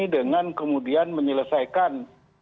dengan kemudian menyelesaikan